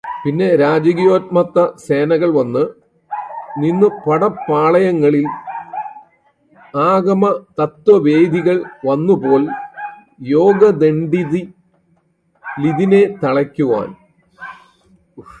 പിന്നെ രാജകീയോന്മത്തസേനകൾ വന്നു നിന്നു പടപ്പാളയങ്ങളിൽ ആഗമതത്വവേദികൾ വന്നുപോൽ യോഗദണ്ഡിതിലിതിനെത്തളയ്ക്കുവാൻ